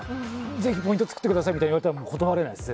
ぜひポイント作ってくださいって言われたら断れないです。